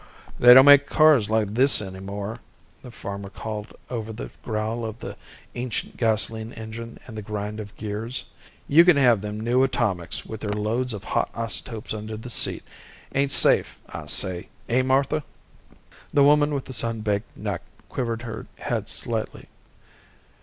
"They don't make cars like this anymore," the farmer called over the growl of the ancient gasoline engine and the grind of gears. "You can have them new atomics with their loads of hot isotopes under the seat. Ain't safe, I say eh, Martha?" The woman with the sun baked neck quivered her head slightly.